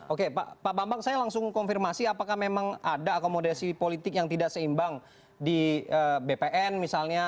oke pak bambang saya langsung konfirmasi apakah memang ada akomodasi politik yang tidak seimbang di bpn misalnya